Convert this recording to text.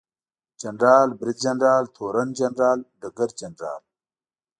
جنرال، بریدجنرال، تورن جنرال ، ډګرجنرال